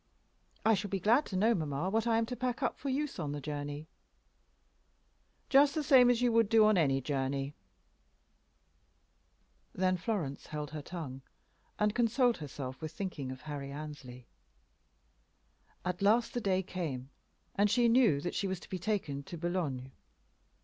"I shall be glad to know, mamma, what I am to pack up for use on the journey." "Just the same as you would do on any journey." Then Florence held her tongue, and consoled herself with thinking of Harry Annesley. At last the day came, and she knew that she was to be taken to Boulogne.